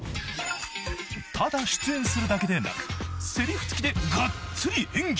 ［ただ出演するだけでなくせりふ付きでがっつり演技］